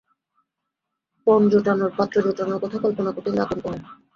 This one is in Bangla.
পণ জোটানোর, পাত্র জোটানোর কথা কল্পনা করতে গেলে আতঙ্ক হয়।